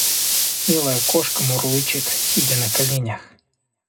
Милая кошка мурлычет, сидя на коленях.